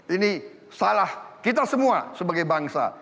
ini salah kita semua sebagai bangsa